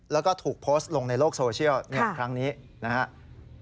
แล้วก็ถูกโพสต์ลงในโลกโซเชียลครั้งนี้นะครับ